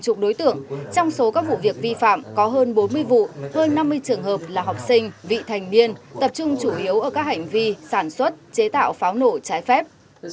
hơn năm mươi trường hợp là học sinh vị thành niên tập trung chủ yếu ở các hành vi sản xuất chế tạo pháo nổi trái phép